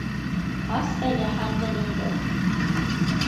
Ас әле һандығыңды!